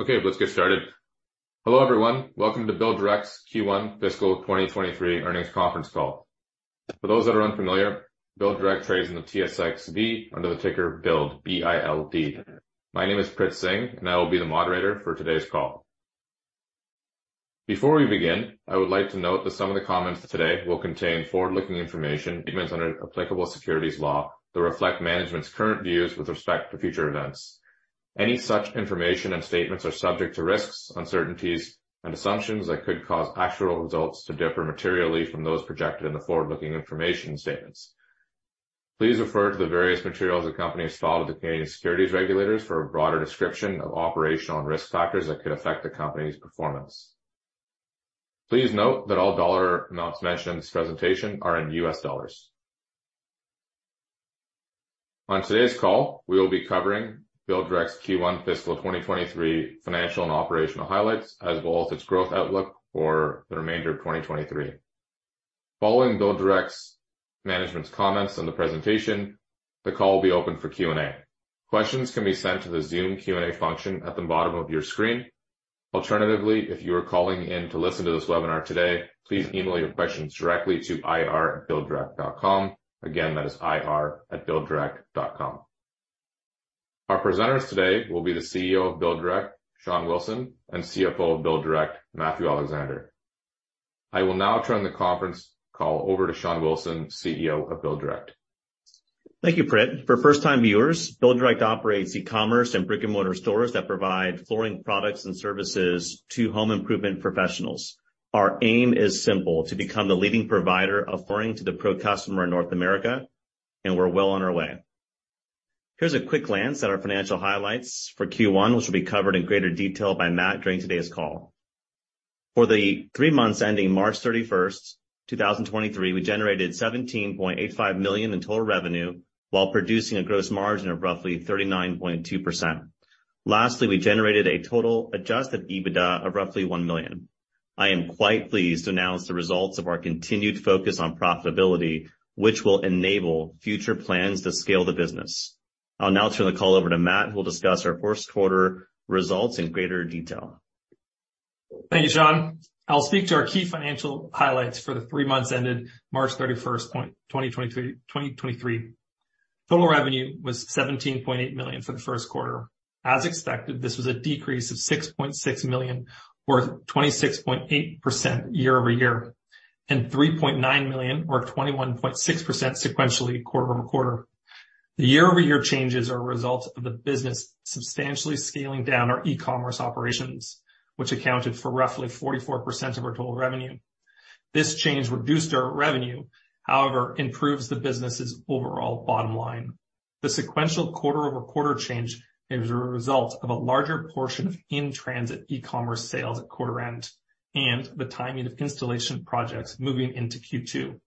Okay, let's get started. Hello, everyone. Welcome to BuildDirect's Q1 fiscal 2023 earnings conference call. For those that are unfamiliar, BuildDirect trades in the TSXV under the ticker BILD, B-I-L-D. My name is Prit Singh, I will be the moderator for today's call. Before we begin, I would like to note that some of the comments today will contain forward-looking information statements under applicable securities law that reflect management's current views with respect to future events. Any such information and statements are subject to risks, uncertainties, and assumptions that could cause actual results to differ materially from those projected in the forward-looking information statements. Please refer to the various materials the company has filed with the Canadian securities regulators for a broader description of operational and risk factors that could affect the company's performance. Please note that all dollar amounts mentioned in this presentation are in US dollars. On today's call, we will be covering BuildDirect's Q1 fiscal 2023 financial and operational highlights, as well as its growth outlook for the remainder of 2023. Following BuildDirect's management's comments on the presentation, the call will be open for Q&A. Questions can be sent to the Zoom Q&A function at the bottom of your screen. Alternatively, if you are calling in to listen to this webinar today, please email your questions directly to ir@builddirect.com. Again, that is ir@builddirect.com. Our presenters today will be the CEO of BuildDirect, Shawn Wilson, and CFO of BuildDirect, Matthew Alexander. I will now turn the conference call over to Shawn Wilson, CEO of BuildDirect. Thank you, Prit. For first-time viewers, BuildDirect operates e-commerce and brick-and-mortar stores that provide flooring products and services to home improvement professionals. Our aim is simple, to become the leading provider of flooring to the pro customer in North America, and we're well on our way. Here's a quick glance at our financial highlights for Q1, which will be covered in greater detail by Matt during today's call. For the three months ending March 31, 2023, we generated $17.85 million in total revenue while producing a gross margin of roughly 39.2%. Lastly, we generated a total adjusted EBITDA of roughly $1 million. I am quite pleased to announce the results of our continued focus on profitability, which will enable future plans to scale the business. I'll now turn the call over to Matt, who will discuss our first quarter results in greater detail. Thank you, Shawn. I'll speak to our key financial highlights for the three months ended March thirty-first, 2023. Total revenue was $17.8 million for the first quarter. As expected, this was a decrease of $6.6 million, or 26.8% year-over-year, and $3.9 million or 21.6% sequentially quarter-over-quarter. The year-over-year changes are a result of the business substantially scaling down our e-commerce operations, which accounted for roughly 44% of our total revenue. This change reduced our revenue, however, improves the business's overall bottom line. The sequential quarter-over-quarter change is a result of a larger portion of in-transit e-commerce sales at quarter end and the timing of installation projects moving into Q2.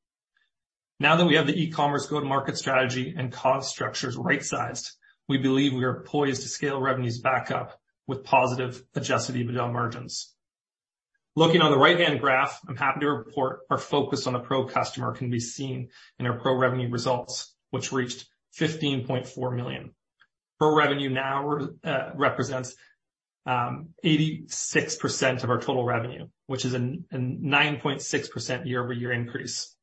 Now that we have the e-commerce go-to-market strategy and cost structures right-sized, we believe we are poised to scale revenues back up with positive adjusted EBITDA margins. Looking on the right-hand graph, I'm happy to report our focus on the pro customer can be seen in our pro revenue results, which reached $15.4 million. Pro revenue now represents 86% of our total revenue, which is a 9.6% year-over-year increase.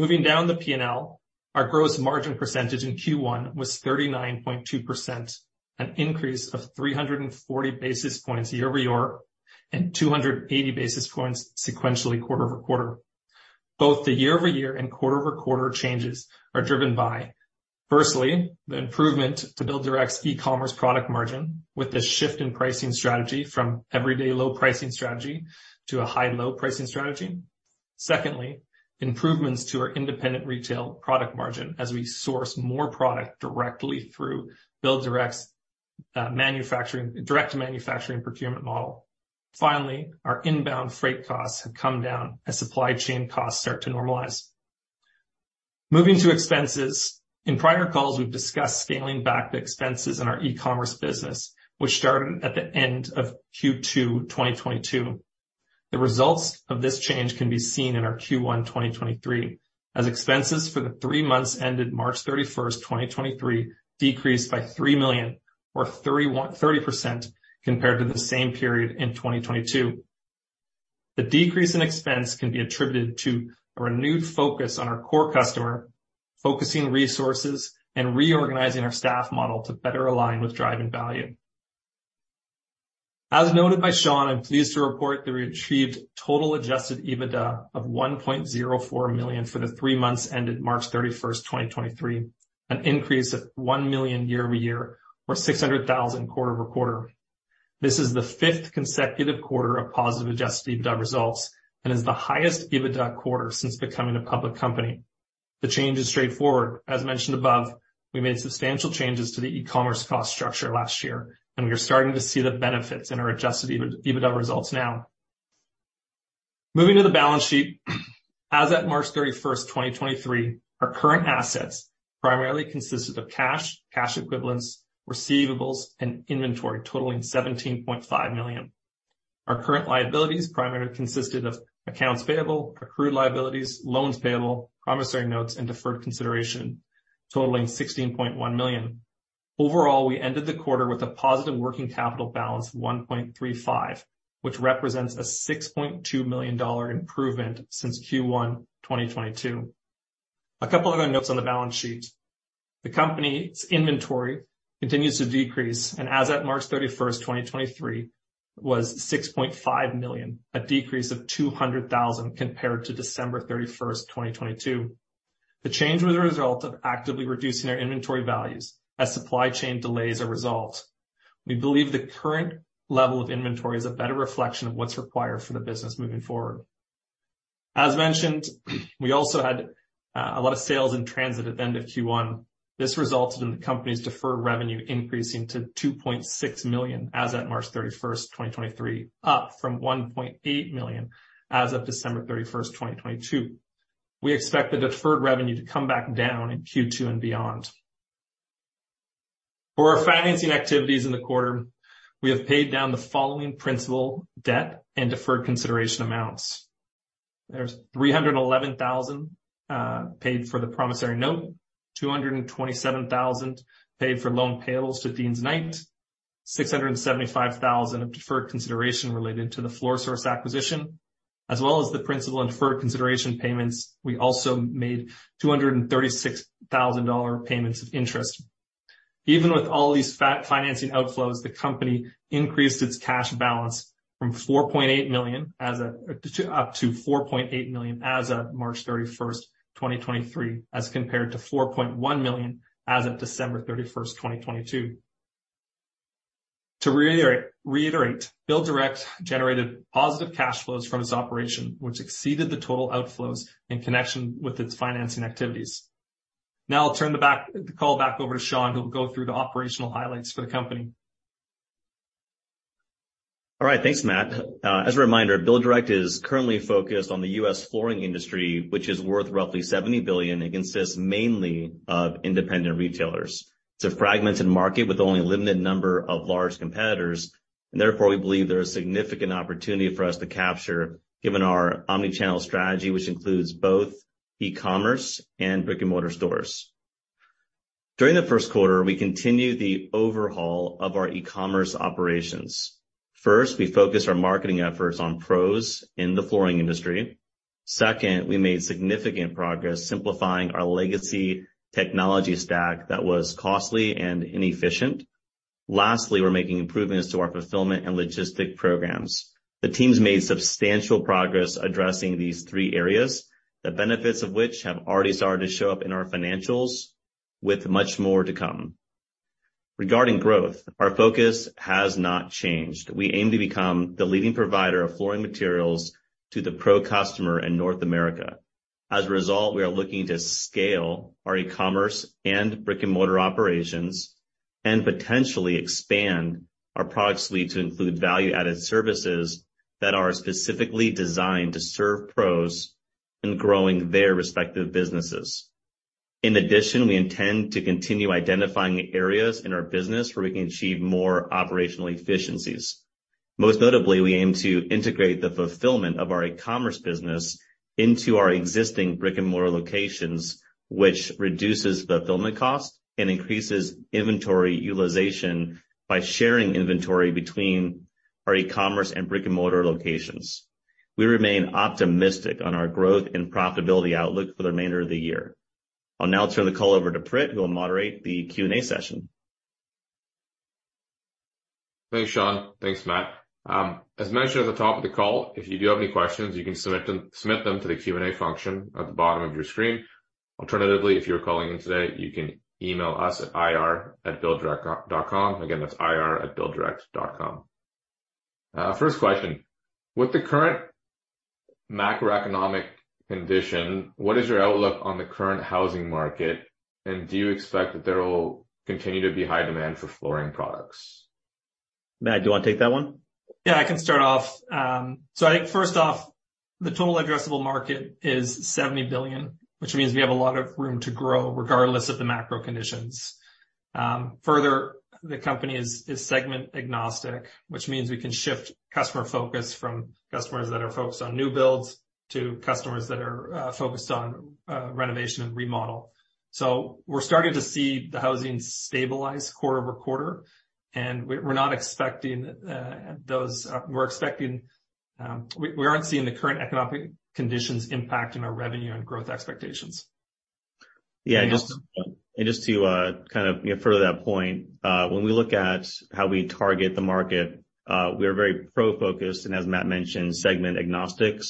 Moving down the P&L, our gross margin percentage in Q1 was 39.2%, an increase of 340 basis points year-over-year and 280 basis points sequentially quarter-over-quarter. Both the year-over-year and quarter-over-quarter changes are driven by, firstly, the improvement to BuildDirect's e-commerce product margin with a shift in pricing strategy from everyday low pricing strategy to a high-low pricing strategy. Secondly, improvements to our independent retail product margin as we source more product directly through BuildDirect's direct manufacturing procurement model. Finally, our inbound freight costs have come down as supply chain costs start to normalize. Moving to expenses. In prior calls, we've discussed scaling back the expenses in our e-commerce business, which started at the end of Q2 2022. The results of this change can be seen in our Q1 2023, as expenses for the three months ended March 31, 2023 decreased by $3 million or 30% compared to the same period in 2022. The decrease in expense can be attributed to a renewed focus on our core customer, focusing resources and reorganizing our staff model to better align with drive and value. As noted by Shawn, I'm pleased to report that we achieved total adjusted EBITDA of $1.04 million for the 3 months ended March 31, 2023, an increase of $1 million year-over-year or $600,000 quarter-over-quarter. This is the fifth consecutive quarter of positive adjusted EBITDA results and is the highest EBITDA quarter since becoming a public company. The change is straightforward. As mentioned above, we made substantial changes to the e-commerce cost structure last year, and we are starting to see the benefits in our adjusted EBITDA results now. Moving to the balance sheet. As at March 31, 2023, our current assets primarily consisted of cash equivalents, receivables, and inventory totaling $17.5 million. Our current liabilities primarily consisted of accounts payable, accrued liabilities, loans payable, promissory notes, and deferred consideration, totaling $16.1 million. Overall, we ended the quarter with a positive working capital balance of $1.35 million, which represents a $6.2 million improvement since Q1 2022. A couple other notes on the balance sheet. The company's inventory continues to decrease, and as at March 31, 2023, was $6.5 million, a decrease of $200,000 compared to December 31, 2022. The change was a result of actively reducing our inventory values as supply chain delays are resolved. We believe the current level of inventory is a better reflection of what's required for the business moving forward. As mentioned, we also had a lot of sales in transit at the end of Q1. This resulted in the company's deferred revenue increasing to $2.6 million as at March 31, 2023, up from $1.8 million as of December 31, 2022. We expect the deferred revenue to come back down in Q2 and beyond. For our financing activities in the quarter, we have paid down the following principal debt and deferred consideration amounts. There's $311,000 paid for the promissory note, $227,000 paid for loan payables to Deans Knight, $675,000 of deferred consideration related to the FloorSource acquisition. As well as the principal and deferred consideration payments, we also made $236,000 payments of interest. Even with all these financing outflows, the company increased its cash balance from $4.8 million to, up to $4.8 million as of March 31, 2023, as compared to $4.1 million as of December 31, 2022. To reiterate, BuildDirect generated positive cash flows from its operation, which exceeded the total outflows in connection with its financing activities. I'll turn the call back over to Shawn, who will go through the operational highlights for the company. Thanks, Matt. As a reminder, BuildDirect is currently focused on the U.S. flooring industry, which is worth roughly $70 billion. It consists mainly of independent retailers. It's a fragmented market with only a limited number of large competitors, and therefore, we believe there is significant opportunity for us to capture given our omni-channel strategy, which includes both e-commerce and brick-and-mortar stores. During the first quarter, we continued the overhaul of our e-commerce operations. First, we focused our marketing efforts on pros in the flooring industry. Second, we made significant progress simplifying our legacy technology stack that was costly and inefficient. Lastly, we're making improvements to our fulfillment and logistic programs. The teams made substantial progress addressing these three areas, the benefits of which have already started to show up in our financials with much more to come. Regarding growth, our focus has not changed. We aim to become the leading provider of flooring materials to the pro customer in North America. As a result, we are looking to scale our e-commerce and brick-and-mortar operations and potentially expand our product suite to include value-added services that are specifically designed to serve pros in growing their respective businesses. In addition, we intend to continue identifying areas in our business where we can achieve more operational efficiencies. Most notably, we aim to integrate the fulfillment of our e-commerce business into our existing brick-and-mortar locations, which reduces fulfillment costs and increases inventory utilization by sharing inventory between our e-commerce and brick-and-mortar locations. We remain optimistic on our growth and profitability outlook for the remainder of the year. I'll now turn the call over to Prit, who will moderate the Q&A session. Thanks, Shawn. Thanks, Matt. As mentioned at the top of the call, if you do have any questions, you can submit them to the Q&A function at the bottom of your screen. Alternatively, if you're calling in today, you can email us at ir@builddirect.com. That's ir@builddirect.com. First question. With the current macroeconomic condition, what is your outlook on the current housing market, and do you expect that there will continue to be high demand for flooring products? Matt, do you wanna take that one? Yeah, I can start off. I think first off, the total addressable market is $70 billion, which means we have a lot of room to grow regardless of the macro conditions. Further, the company is segment agnostic, which means we can shift customer focus from customers that are focused on new builds to customers that are focused on renovation and remodel. We're starting to see the housing stabilize quarter-over-quarter, and we're not expecting those, we're expecting, we aren't seeing the current economic conditions impacting our revenue and growth expectations. Yeah. Just to, kind of, you know, further that point, when we look at how we target the market, we are very pro-focused, and as Matt mentioned, segment agnostic.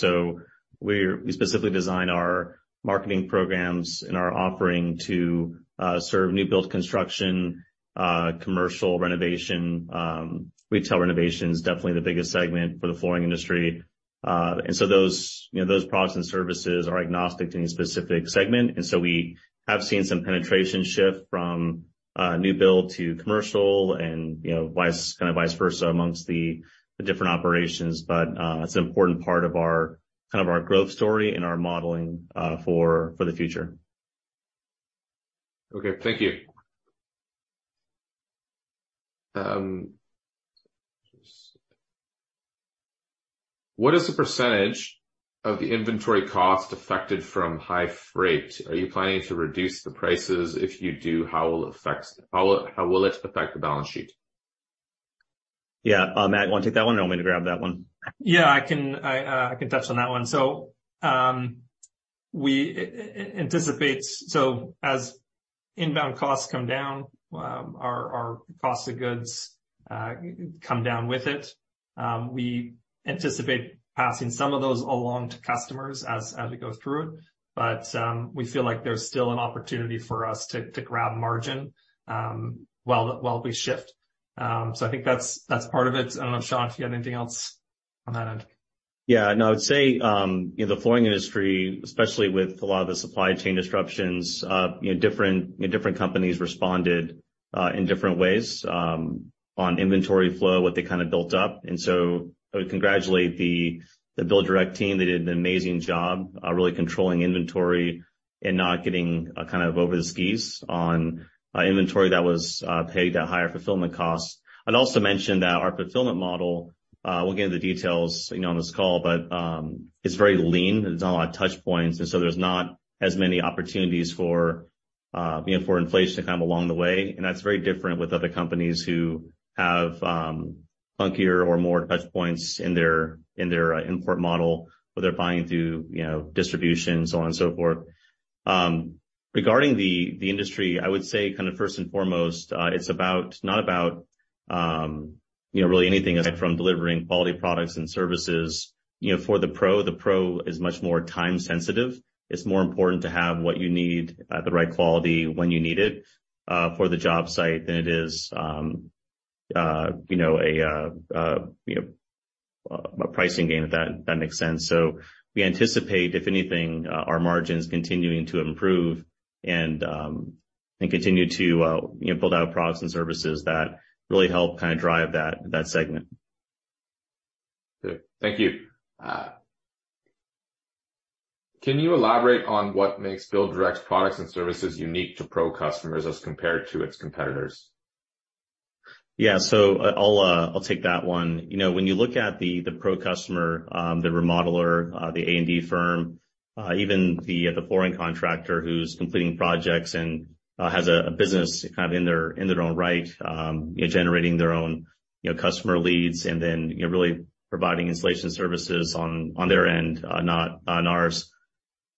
We specifically design our marketing programs and our offering to serve new build construction, commercial renovation. Retail renovation is definitely the biggest segment for the flooring industry. Those, you know, those products and services are agnostic to any specific segment. We have seen some penetration shift from new build to commercial and, you know, vice, kind of vice versa amongst the different operations. It's an important part of our, kind of our growth story and our modeling for the future. Okay. Thank you. What is the % of the inventory cost affected from high freight? Are you planning to reduce the prices? If you do, how will it affect the balance sheet? Yeah. Matt, you wanna take that one or want me to grab that one? Yeah, I can, I can touch on that one. We anticipate. As inbound costs come down, our cost of goods come down with it. We anticipate passing some of those along to customers as we go through it. We feel like there's still an opportunity for us to grab margin while we shift. I think that's part of it. I don't know, Shawn, if you had anything else on that end. Yeah. No, I would say, you know, the flooring industry, especially with a lot of the supply chain disruptions, you know, different companies responded in different ways on inventory flow, what they kinda built up. I would congratulate the BuildDirect team. They did an amazing job, really controlling inventory and not getting kind of over their skis on inventory that was paid at higher fulfillment costs. I'd also mention that our fulfillment model, we'll get into the details, you know, on this call, but it's very lean. There's not a lot of touch points, there's not as many opportunities for, you know, for inflation to come along the way. That's very different with other companies who have funkier or more touch points in their, in their import model, where they're buying through, you know, distribution, so on and so forth. Regarding the industry, I would say kind of first and foremost, not about, you know, really anything aside from delivering quality products and services. You know, for the pro, the pro is much more time sensitive. It's more important to have what you need at the right quality when you need it for the job site than it is, you know, a pricing game, if that makes sense. We anticipate, if anything, our margins continuing to improve and continue to, you know, build out products and services that really help kinda drive that segment. Good. Thank you. Can you elaborate on what makes BuildDirect products and services unique to pro customers as compared to its competitors? Yeah. I'll take that one. You know, when you look at the pro customer, the remodeler, the A&D firm, even the flooring contractor who's completing projects and has a business kind of in their own right, you know, generating their own, you know, customer leads, you know, really providing installation services on their end, not on ours.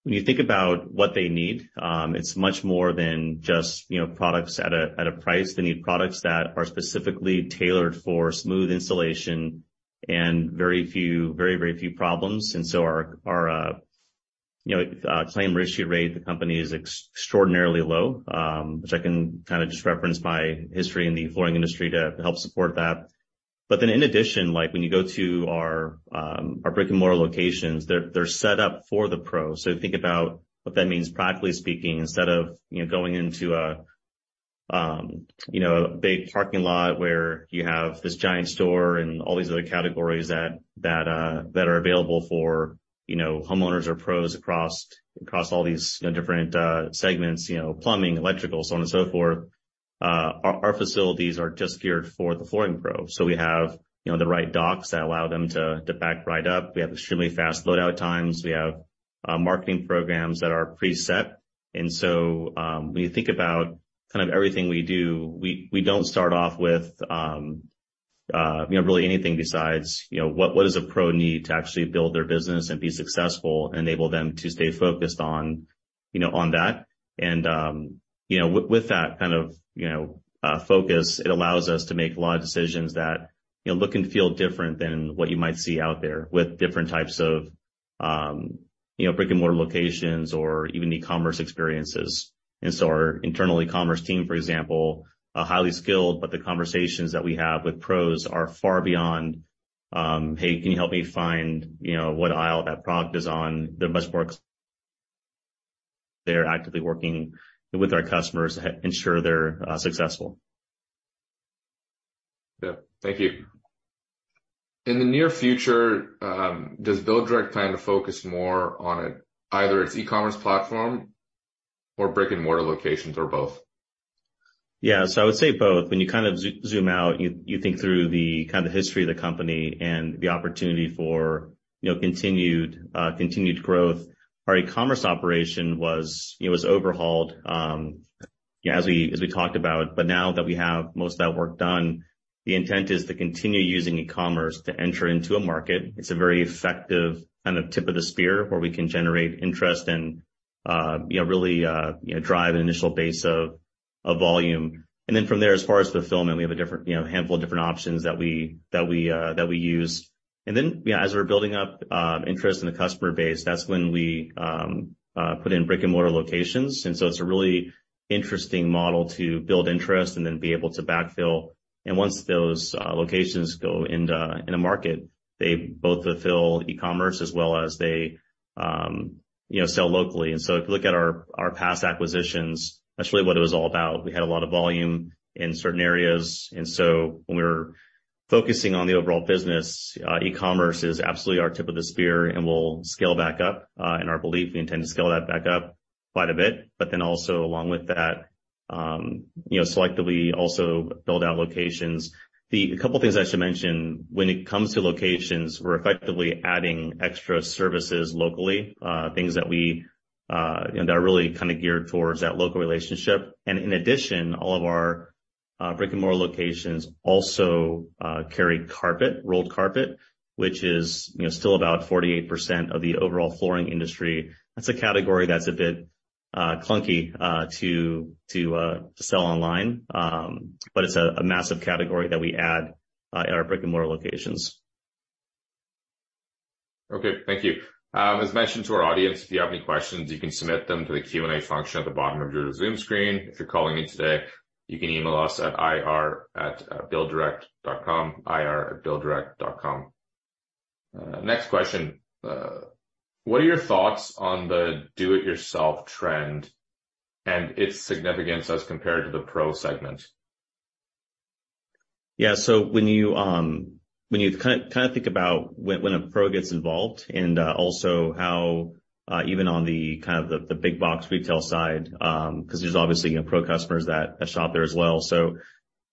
When you think about what they need, it's much more than just, you know, products at a price. They need products that are specifically tailored for smooth installation and very, very few problems. Our claim ratio rate of the company is extraordinarily low, which I can kinda just reference my history in the flooring industry to help support that. In addition, like when you go to our brick-and-mortar locations, they're set up for the pro. Think about what that means practically speaking, instead of, you know, going into a, you know, a big parking lot where you have this giant store and all these other categories that are available for, you know, homeowners or pros across all these, you know, different segments, you know, plumbing, electrical, so on and so forth. Our facilities are just geared for the flooring pro. We have, you know, the right docks that allow them to back right up. We have extremely fast load out times. We have marketing programs that are preset. When you think about kind of everything we do, we don't start off with, you know, really anything besides, you know, what does a pro need to actually build their business and be successful, enable them to stay focused on, you know, on that. You know, with that kind of, you know, focus, it allows us to make a lot of decisions that, you know, look and feel different than what you might see out there with different types of, you know, brick-and-mortar locations or even e-commerce experiences. Our internal e-commerce team, for example, are highly skilled, but the conversations that we have with pros are far beyond, "Hey, can you help me find, you know, what aisle that product is on?" They're actively working with our customers to ensure they're successful. Yeah. Thank you. In the near future, does BuildDirect plan to focus more on either its e-commerce platform or brick-and-mortar locations or both? I would say both. When you kind of zoom out, you think through the kind of history of the company and the opportunity for, you know, continued continued growth. Our e-commerce operation was, you know, was overhauled as we talked about. Now that we have most of that work done, the intent is to continue using e-commerce to enter into a market. It's a very effective kind of tip of the spear where we can generate interest and, you know, really, you know, drive an initial base of volume. From there, as far as fulfillment, we have a different, you know, handful of different options that we use. As we're building up interest in the customer base, that's when we put in brick-and-mortar locations. It's a really interesting model to build interest and then be able to backfill. Once those locations go in the market, they both fulfill e-commerce as well as they, you know, sell locally. If you look at our past acquisitions, that's really what it was all about. We had a lot of volume in certain areas. When we were focusing on the overall business, e-commerce is absolutely our tip of the spear, and we'll scale back up in our belief, we intend to scale that back up quite a bit. Also along with that, you know, selectively also build out locations. A couple things I should mention. When it comes to locations, we're effectively adding extra services locally, things that we, you know, that are really kinda geared towards that local relationship. In addition, all of our brick-and-mortar locations also carry carpet, rolled carpet, which is, you know, still about 48% of the overall flooring industry. That's a category that's a bit clunky to sell online. It's a massive category that we add at our brick-and-mortar locations. Okay. Thank you. As mentioned to our audience, if you have any questions, you can submit them to the Q&A function at the bottom of your Zoom screen. If you're calling in today, you can email us at ir@builddirect.com, ir@builddirect.com. Next question. What are your thoughts on the do-it-yourself trend and its significance as compared to the pro segment? Yeah. When you kinda think about when a pro gets involved and also how even on the kind of the big box retail side, 'cause there's obviously, you know, pro customers that shop there as well.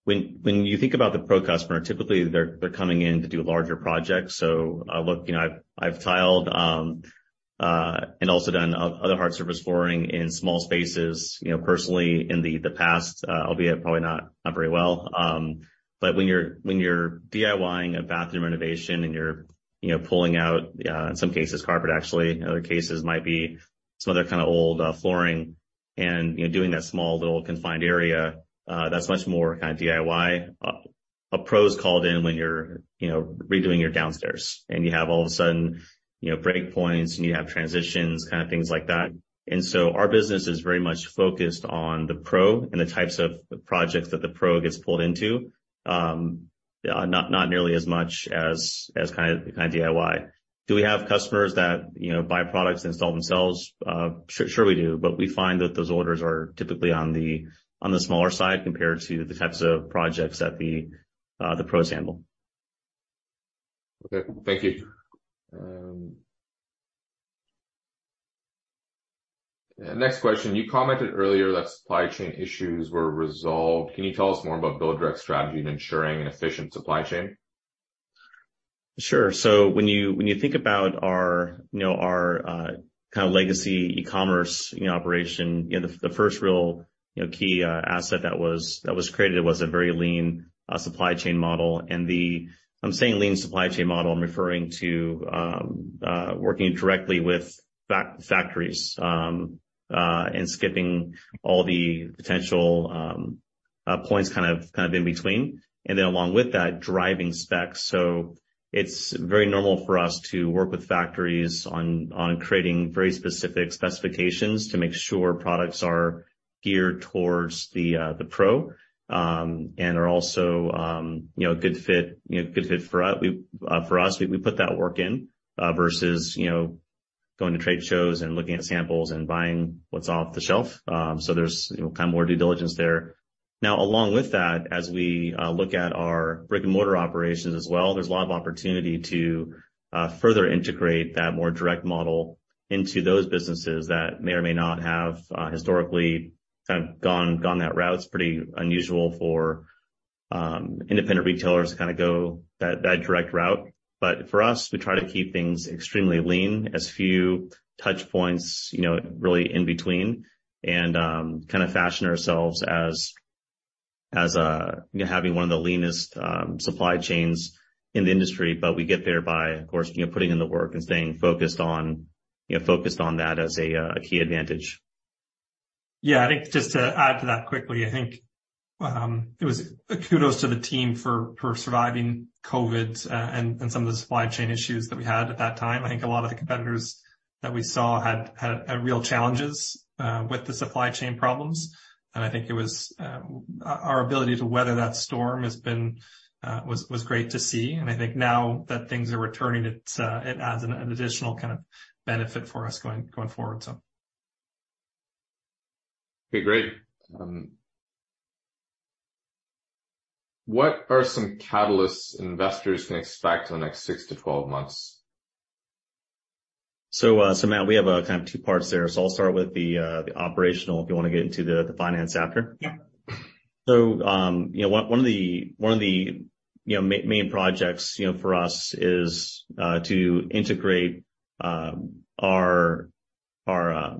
When you think about the pro customer, typically they're coming in to do larger projects. Look, you know, I've tiled and also done other hard surface flooring in small spaces, you know, personally in the past, albeit probably not very well. But when you're DIYing a bathroom renovation and you're, you know, pulling out, in some cases, carpet actually, in other cases might be some other kinda old flooring and, you know, doing that small little confined area, that's much more kinda DIY. A pro's called in when you're, you know, redoing your downstairs, and you have all of a sudden, you know, break points and you have transitions, kinda things like that. Our business is very much focused on the pro and the types of projects that the pro gets pulled into. Not nearly as much as kinda DIY. Do we have customers that, you know, buy products, install themselves? Sure we do, but we find that those orders are typically on the, on the smaller side compared to the types of projects that the pros handle. Okay. Thank you. Next question. You commented earlier that supply chain issues were resolved. Can you tell us more about BuildDirect's strategy in ensuring an efficient supply chain? Sure. When you, when you think about our, you know, our, kinda legacy e-commerce, you know, operation, you know, the first real, you know, key asset that was created was a very lean supply chain model. I'm saying lean supply chain model, I'm referring to working directly with factories and skipping all the potential points kind of in between. Along with that, driving specs. It's very normal for us to work with factories on creating very specific specifications to make sure products are geared towards the pro and are also, you know, a good fit, you know, a good fit for us. We for us. We put that work in versus, you know, going to trade shows and looking at samples and buying what's off the shelf. There's, you know, kind of more due diligence there. Now, along with that, as we look at our brick-and-mortar operations as well, there's a lot of opportunity to further integrate that more direct model into those businesses that may or may not have historically kind of gone that route. It's pretty unusual for independent retailers to kinda go that direct route. For us, we try to keep things extremely lean, as few touch points, you know, really in between. Kinda fashion ourselves as, a, you know, having one of the leanest supply chains in the industry. We get there by, of course, you know, putting in the work and staying focused on, you know, focused on that as a key advantage. Yeah. I think just to add to that quickly. I think it was a kudos to the team for surviving COVID and some of the supply chain issues that we had at that time. I think a lot of the competitors that we saw had real challenges with the supply chain problems. I think it was our ability to weather that storm has been great to see. I think now that things are returning, it adds an additional kind of benefit for us going forward, so. Okay. Great. What are some catalysts investors can expect in the next six-12 months? Matt, we have kind of two parts there. I'll start with the operational if you wanna get into the finance after. Yeah. You know, one of the, you know, main projects, you know, for us is to integrate our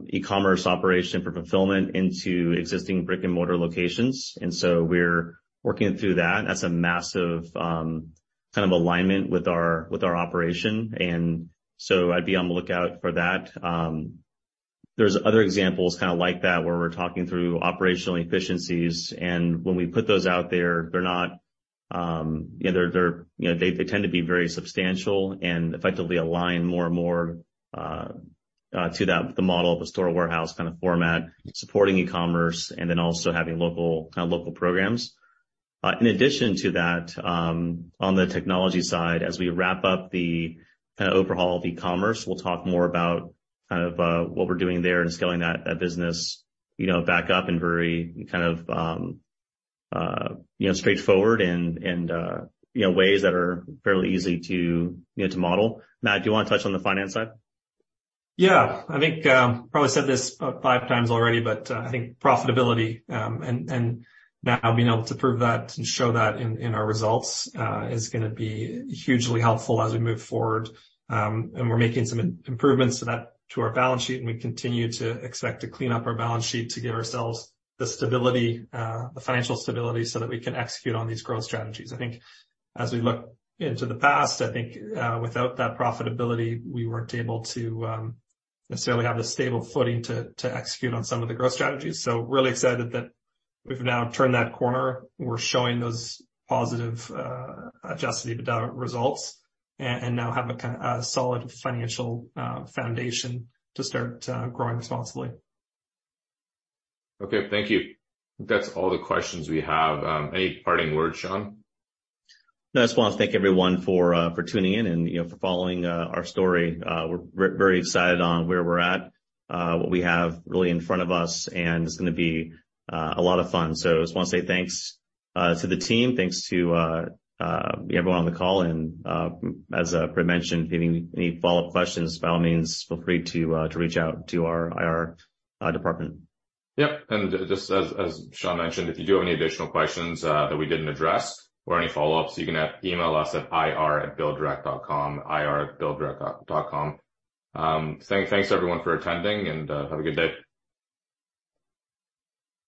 e-commerce operation for fulfillment into existing brick-and-mortar locations. We're working through that. That's a massive kind of alignment with our operation. I'd be on the lookout for that. There's other examples kinda like that, where we're talking through operational efficiencies, and when we put those out there, they're not, you know, they're, you know, they tend to be very substantial and effectively align more and more to that, the model of the store warehouse kinda format, supporting e-commerce and then also having local, kind of local programs. In addition to that, on the technology side, as we wrap up the kinda overhaul of e-commerce, we'll talk more about kind of, what we're doing there and scaling that business, you know, back up and very kind of, you know, straightforward and, you know, ways that are fairly easy to, you know, to model. Matt, do you wanna touch on the finance side? I think, probably said this about 5 times already, but I think profitability, and now being able to prove that and show that in our results, is gonna be hugely helpful as we move forward. We're making some improvements to our balance sheet, and we continue to expect to clean up our balance sheet to give ourselves the stability, the financial stability so that we can execute on these growth strategies. I think as we look into the past, I think, without that profitability, we weren't able to necessarily have the stable footing to execute on some of the growth strategies. Really excited that we've now turned that corner. We're showing those positive adjusted EBITDA results and now have a solid financial foundation to start growing responsibly. Okay. Thank you. That's all the questions we have. Any parting words, Shawn? No, I just wanna thank everyone for tuning in and, you know, for following our story. We're very excited on where we're at, what we have really in front of us, and it's gonna be a lot of fun. I just wanna say thanks to the team. Thanks to everyone on the call. As Brad mentioned, if you have any follow-up questions, by all means, feel free to reach out to our IR department. Yep. Just as Shawn mentioned, if you do have any additional questions, that we didn't address or any follow-ups, you can email us at IR@BuildDirect.com, IR@BuildDirect.com. Thanks everyone for attending and have a good day.